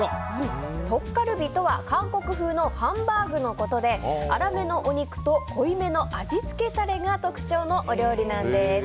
トッカルビとは韓国風のハンバーグのことで粗めのお肉と濃いめの味付けタレが特徴のお料理なんです。